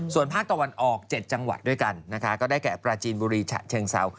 ส่วนภาคตะวันออก๗จังหวัดด้วยกันนะคะก็ได้แก่ปราจีนบุรีฉะเชิงเซา